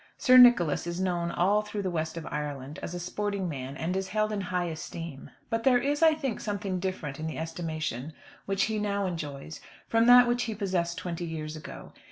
Sir Nicholas is known all through the West of Ireland, as a sporting man, and is held in high esteem. But there is, I think, something different in the estimation which he now enjoys from that which he possessed twenty years ago.